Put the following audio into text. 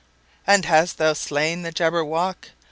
"And hast thou slain the Jabberwock?